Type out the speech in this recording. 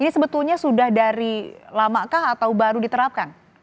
ini sebetulnya sudah dari lamakah atau baru diterapkan